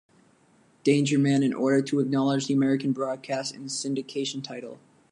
Danger Man in order to acknowledge the American broadcast and syndication title.